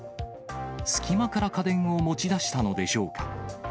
隙間から家電を持ち出したのでしょうか。